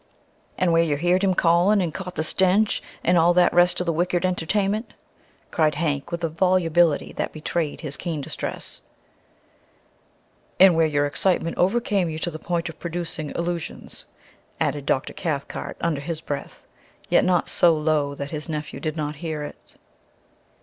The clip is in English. "And where you heered him callin' an' caught the stench, an' all the rest of the wicked entertainment," cried Hank, with a volubility that betrayed his keen distress. "And where your excitement overcame you to the point of producing illusions," added Dr. Cathcart under his breath, yet not so low that his nephew did not hear it.